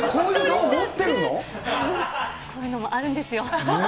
こういうのもあるんですよ。